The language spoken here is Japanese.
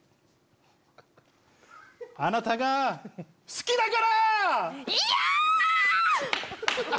あなたが好きだから‼嫌！